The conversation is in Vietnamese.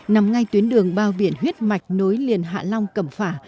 nằm ngay tuyến đường bao biển huyết mạch nối liền hạ long cẩm phả